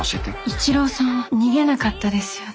一郎さんは逃げなかったですよね。